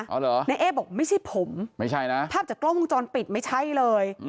อ๋อเหรอนายเอ๊ะบอกว่าไม่ใช่ผมภาพจากกล้องวงจรปิดไม่ใช่เลย